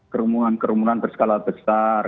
keremungan keremungan berskala besar